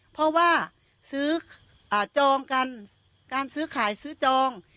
เพราะว่าซื้อจองกันการซื้อขายซื้อจอง